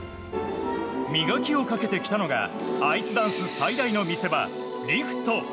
磨きをかけてきたのがアイスダンス最大の見せ場リフト。